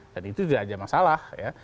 dan itu tidak ada masalah